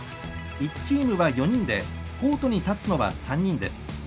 １チームは４人でコートに立つのは３人です。